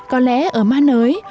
có lẽ ở ma nới